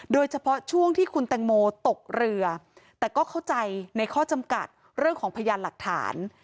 โดยเฉพาะช่วงที่คุณแตงโมตกเรือแต่ก็เข้าใจในข้อจำกัดเรื่องของพยานหลักฐาน